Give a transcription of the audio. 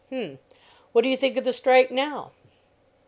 "H'm! What do you think of the 'strike' now?"